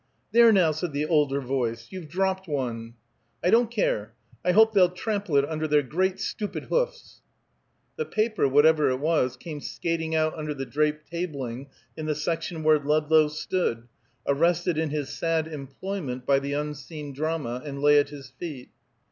"There, now!" said the older voice. "You've dropped one." "I don't care! I hope they'll trample it under their great stupid hoofs." The paper, whatever it was, came skating out under the draped tabling in the section where Ludlow stood, arrested in his sad employment by the unseen drama, and lay at his feet.